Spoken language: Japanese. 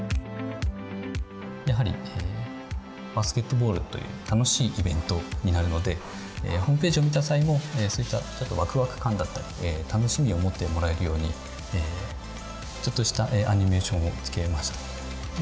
やはりバスケットボールという楽しいイベントになるのでホームページを見た際もそういったワクワク感だったり楽しみを持ってもらえるようにちょっとしたアニメーションをつけました。